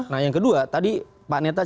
nah yang kedua tadi pak nanda bilang